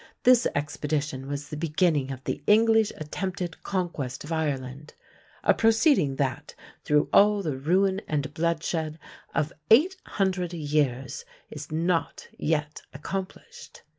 This expedition was the beginning of the English attempted conquest of Ireland a proceeding that, through all the ruin and bloodshed of 800 years, is not yet accomplished.